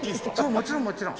もちろんもちろん。